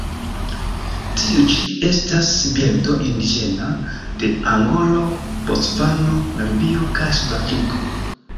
Tiu ĉi estas birdo indiĝena de Angolo, Bocvano, Namibio kaj Sudafriko.